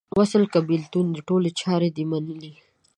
وصل که بیلتون دې ټولي چارې دې منلې دي